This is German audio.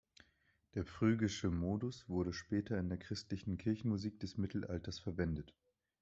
Der phrygische Modus wurde später in der christlichen Kirchenmusik des Mittelalters verwendet.